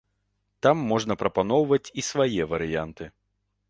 Там можна прапаноўваць і свае варыянты.